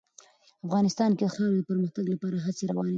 افغانستان کې د خاورې د پرمختګ لپاره هڅې روانې دي.